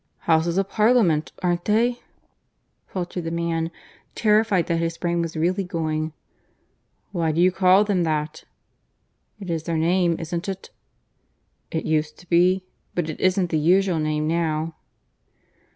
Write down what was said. "Houses of Parliament, aren't they?" faltered the man, terrified that his brain was really going. "Why do you call them that?" "It is their name, isn't it?" "It used to be; but it isn't the usual name now."